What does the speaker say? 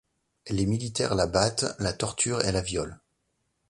Les militaires la battent, la torturent et la violent.